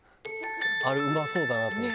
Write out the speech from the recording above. あれうまそうだなと思った。